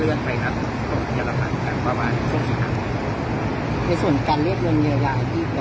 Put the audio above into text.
พรุ่งนี้เขาก็เขาเขมีเสร็จในขณะเนี้ยว่าแบบไม่ดีกว่า